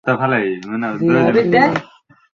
জ্বি, আপনিও।